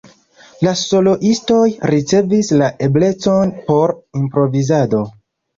La soloistoj ricevis la eblecon por improvizado.